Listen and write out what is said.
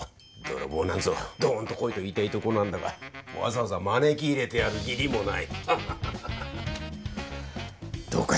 泥棒なんぞどんと来いと言いたいとこなんだがわざわざ招き入れてやる義理もないははははっ。